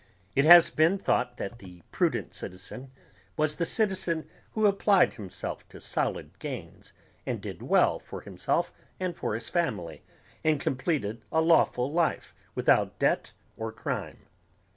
It has been thought that the prudent citizen was the citizen who applied himself to solid gains and did well for himself and for his family and completed a lawful life without debt or crime.